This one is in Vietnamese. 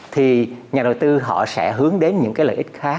thì nhà đầu tư họ sẽ hướng đến những cái lợi ích khác